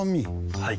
はい。